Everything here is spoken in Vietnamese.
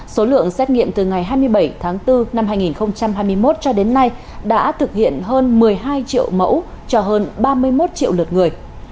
số lượng xét nghiệm từ ngày hai mươi bảy tháng bốn năm hai nghìn hai mươi một cho đến nay đã thực hiện hơn một mươi hai triệu mẫu cho hơn ba mươi một triệu lượt người